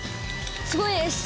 すごいです。